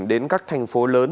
đến các thành phố này